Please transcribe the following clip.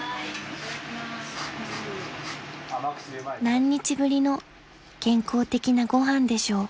［何日ぶりの健康的なご飯でしょう］